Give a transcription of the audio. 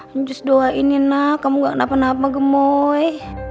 anjus doain ya nak kamu gak kenapa napa gemoy